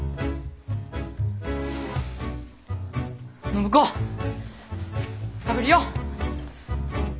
暢子食べるよ！